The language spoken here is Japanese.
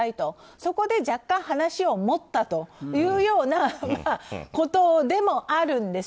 そこで若干話を盛ったというようなことでもあるんです。